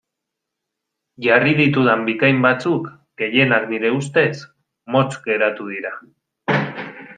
Jarri ditudan bikain batzuk, gehienak nire ustez, motz geratu dira.